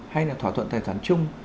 hay là thỏa thuận tài sản chung